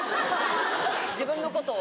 自分のことを？